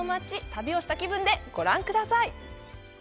旅をした気分でご覧ください！